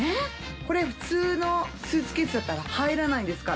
これ普通のスーツケースだったら入らないですから。